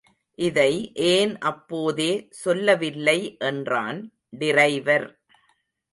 இதை ஏன் அப்போதே சொல்லவில்லை என்றான் டிரைவர்.